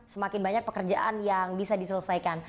semakin banyak pekerjaan yang bisa diselesaikan